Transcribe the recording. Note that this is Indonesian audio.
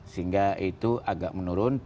sehingga itu agak menurun